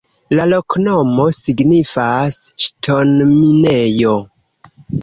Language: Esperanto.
La loknomo signifas: ŝtonminejo.